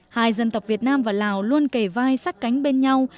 hai dân tộc việt nam và lào luôn kề vai sát cánh bên nhau